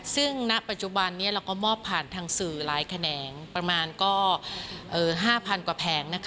ซึ่งณปัจจุบันนี้เราก็มอบผ่านทางสื่อหลายแขนงประมาณก็๕๐๐๐กว่าแผง